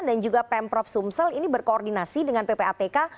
dan juga pemprov sumsel ini berkoordinasi dengan ppatk